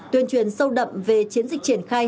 tuyên truyền sâu đậm về chiến dịch triển khai